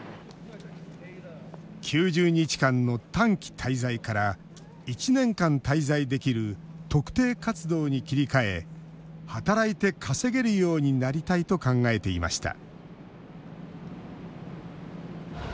９０日間の「短期滞在」から１年間滞在できる「特定活動」に切り替え働いて稼げるようになりたいと考えていました